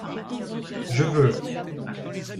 je veux.